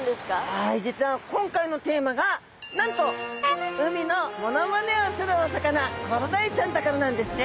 はい実は今回のテーマがなんと海のモノマネをするお魚コロダイちゃんだからなんですね。